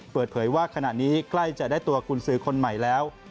เปิดเผยว่าขณะนี้ใกล้จะได้ตัวกุญสือคนใหม่แล้ว